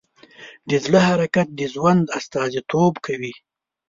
د زړه حرکت د ژوند استازیتوب کوي.